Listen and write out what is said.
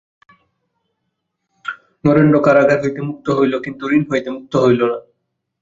নরেন্দ্র কারাগার হইতে মুক্ত হইল, কিন্তু ঋণ হইতে মুক্ত হইল না।